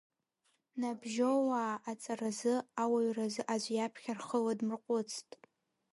Набжьоуаа аҵаразы, ауаҩразы аӡә иаԥхьа рхы ладмырҟәыцт.